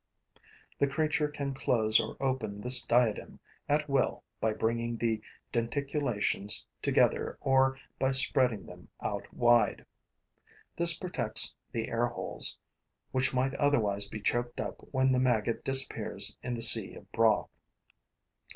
The creature can close or open this diadem at will by bringing the denticulations together or by spreading them out wide. This protects the air holes which might otherwise be choked up when the maggot disappears in the sea of broth.